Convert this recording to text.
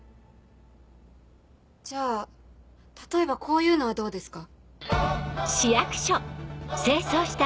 じゃあ例えばこういうのはどうですか？